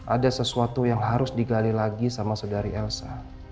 ada sesuatu yang harus digali lagi sama saudari elsa